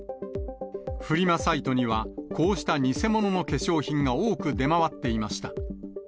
フリマサイトには、こうした偽物の化粧品が多く出回っていました。